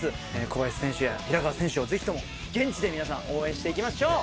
小林選手や平川選手をぜひとも現地で皆さん応援していきましょう！